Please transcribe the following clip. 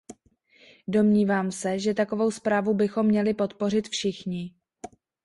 Domnívám se, že takovou zprávu bychom měli podpořit všichni.